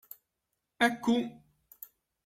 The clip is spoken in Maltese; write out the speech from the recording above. Hekk hu.